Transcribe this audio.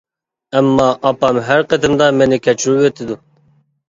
ئەمما ئاپام ھەر قېتىمدا مېنى كەچۈرۈۋېتىدۇ.